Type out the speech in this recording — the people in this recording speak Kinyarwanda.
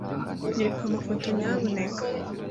Nyereka amafoto, nyamuneka.